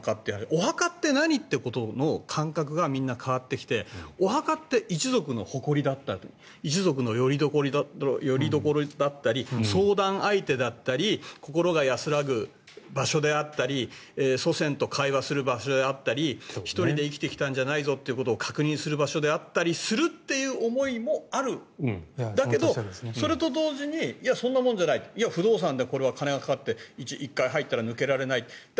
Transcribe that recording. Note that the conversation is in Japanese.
お墓って何？ってことの感覚がみんな変わってきてお墓って一族の誇りだったと一族のよりどころだったり相談相手だったり心が安らぐ場所であったり祖先と会話する場所であったり１人で生きてきたんじゃないぞということを確認するためだったりだけど、それと同時にいや、そんなものじゃない不動産でお金がかかって１回入ったら抜けられない。